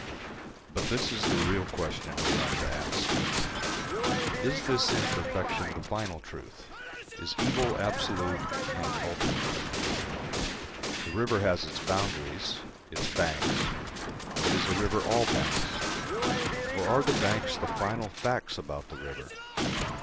But this is the real question we ought to ask: Is this imperfection the final truth, is evil absolute and ultimate? The river has its boundaries, its banks, but is a river all banks? or are the banks the final facts about the river?